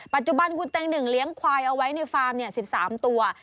ปัจจุบันคุณเต็งหนึ่งเลี้ยงควายเอาไว้ในฟาร์ม๑๓ตัว